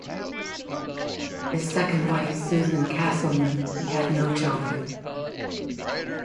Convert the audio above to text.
With his second wife, Susan Casselman, he had no children.